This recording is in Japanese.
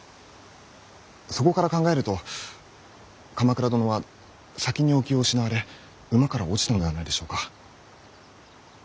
そこから考えると鎌倉殿は先にお気を失われ馬から落ちたのではないでしょうか。